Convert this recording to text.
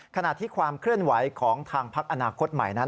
ขณะที่ความเคลื่อนไหวของทางพักอนาคตใหม่นั้น